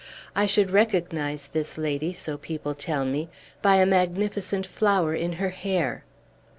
I should recognize this lady, so people tell me, by a magnificent flower in her hair."